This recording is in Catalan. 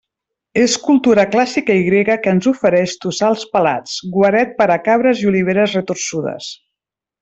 És cultura clàssica i grega que ens ofereix tossals pelats, guaret per a cabres i oliveres retorçudes.